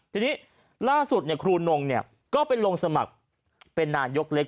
ทีนี้ล่าสุดครูนงก็ไปลงสมัครเป็นนายกเล็ก